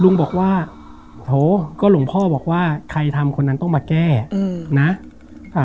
ลุงบอกว่าโถก็หลวงพ่อบอกว่าใครทำคนนั้นต้องมาแก้อืมนะอ่า